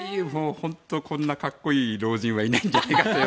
本当にこんなにかっこいい老人はいないんじゃないかと。